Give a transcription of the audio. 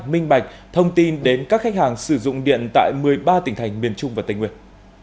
minh bạch thông tin đến các khách hàng sử dụng điện tại một mươi ba tỉnh thành miền trung và tây nguyên